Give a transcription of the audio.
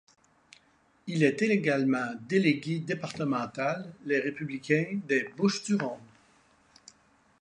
Il est également délégué départemental Les républicains des Bouches-du-Rhône.